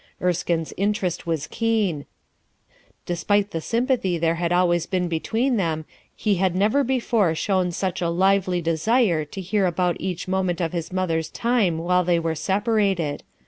Erskine's interest was keen; despite the sympathy there had always been between them he had never before shown such a lively desire to hear about each moment of his mother's time while they were separated.